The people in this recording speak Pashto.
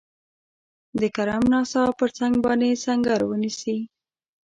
د کرم ناسا پر څنګ باندي سنګر ونیسي.